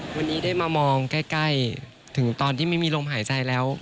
วันนี้ได้มามองใกล้ถึงตอนที่ไม่มีลมหายใจแล้ว